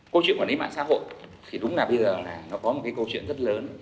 câu chuyện quản lý mạng xã hội thì đúng là bây giờ là nó có một cái câu chuyện rất lớn